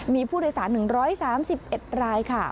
มีผู้โดยสาร๑๓๑รายค่ะ